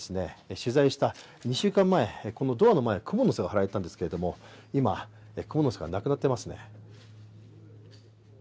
取材した２週間前このドアの前クモの巣を張られたんですけれども今蜘蛛の巣はなくなってますね